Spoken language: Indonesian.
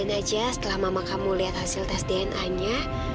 mungkin aja setelah mama kamu lihat hasil tes dna nya